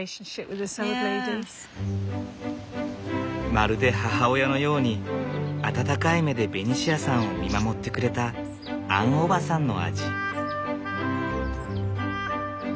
まるで母親のように温かい目でベニシアさんを見守ってくれたアンおばさんの味。